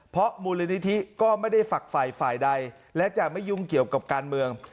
เพราะมูลนิธิก็ไม่ได้ฝักฝ่ายฝ่ายใดและจะไม่ยุ่งเกี่ยวกับการเมือง